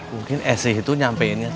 mungkin esy itu nyampeinnya